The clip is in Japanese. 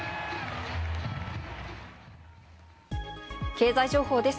経済情報です。